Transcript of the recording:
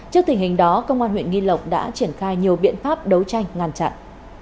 trước tình hình đó công an huyện nghi lộc đã triển khai nhiều biện pháp đấu tranh ngăn chặn